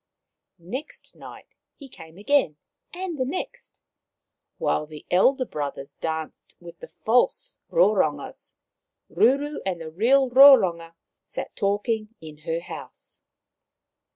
Next night he came again, and the next. While the elder brothers danced with the false Rorongas Ruru and the real Roronga sat talking in her house.